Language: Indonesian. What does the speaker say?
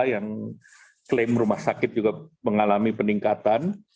yang klaim rumah sakit juga mengalami peningkatan